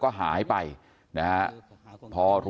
ก็คุณตามมาอยู่กรงกีฬาดครับ